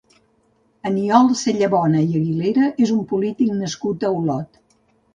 Aniol Sellabona i Aguilera és un polític nascut a Olot.